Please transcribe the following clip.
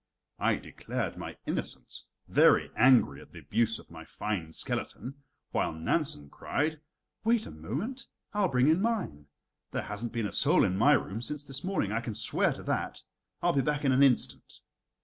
I declared my innocence, very angry at the abuse of my fine skeleton, while Nansen cried: "Wait a moment, I'll bring in mine. There hasn't been a soul in my room since this morning, I can swear to that. I'll be back in an instant."